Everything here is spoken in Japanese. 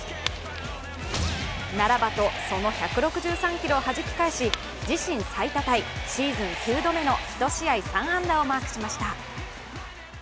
ならばと、その１６３キロをはじき返し自身最多タイ、シーズン９度目の１試合３安打をマークしました。